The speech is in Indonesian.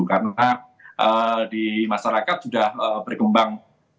karena di masyarakat sudah berkembang